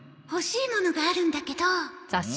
欲しいものがあるんだけど。